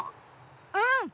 うん！